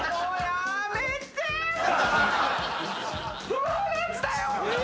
ドーナツだよ！